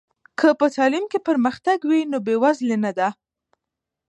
که په تعلیم کې پرمختګ وي، نو بې وزلي نه ده.